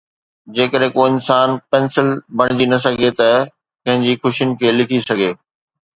جيڪڏهن ڪو انسان پنسل بڻجي نه سگهي ته ڪنهن جي خوشين کي لکي سگهي